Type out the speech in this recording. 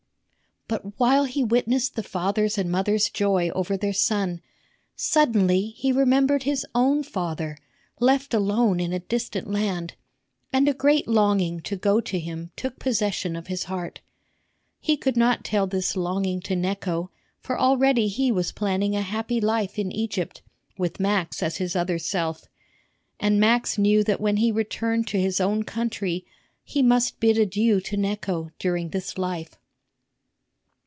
But while he witnessed the father's and mother's joy over their son, suddenly he remembered his own father, left alone in a distant land, and a great longing to go to him took possession of his heart. He could not tell this longing to Necho, for already he was planning a happy life in Egypt, with Max as his other self. And Max knew that when he returned to his own country he must bid adieu to Necho during this life.